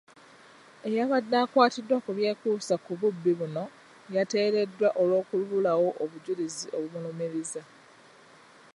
Eyabadde akwatiddwa ku byekuusa ku bubbi buno yateereddwa olw'okubulawo obujulizi obumulumiriza.